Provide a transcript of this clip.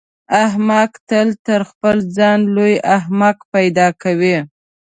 احمق تل تر خپل ځان لوی احمق پیدا کوي.